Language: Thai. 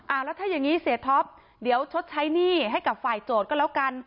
แล้วถ้าอย่างนี้เสียท็อปเดี๋ยวชดใช้หนี้ให้กับฝ่ายโจทย์ก็แล้วกัน